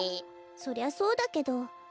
そりゃそうだけど。